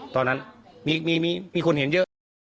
ตอนนั้นมีคนเห็นเยอะ